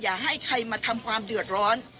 อย่าให้ใครมาทำความเดือดร้อน